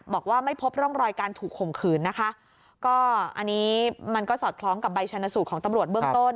บอกว่าไม่พบร่องรอยการถูกข่มขืนนะคะก็อันนี้มันก็สอดคล้องกับใบชนสูตรของตำรวจเบื้องต้น